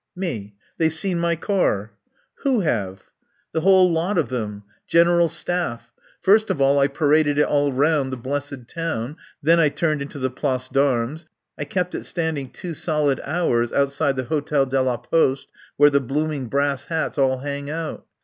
"Me. They've seen my car." "Who have?" "The whole lot of them. General Staff. First of all I paraded it all round the blessed town. Then I turned into the Place d'Armes. I kept it standing two solid hours outside the Hotel de la Poste where the blooming brass hats all hang out.